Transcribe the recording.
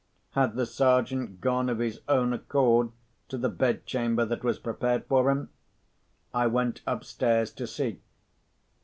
Had the Sergeant gone of his own accord to the bedchamber that was prepared for him? I went upstairs to see.